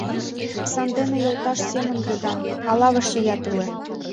Сандене йолташ семын йодам: ала вашлият ыле?